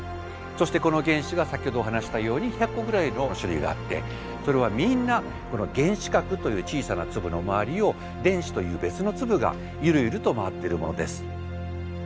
そしてこの原子が先ほどお話ししたように１００個ぐらいの種類があってそれはみんなこの原子核という小さな粒の周りを電子という別の粒がゆるゆると回っているものです。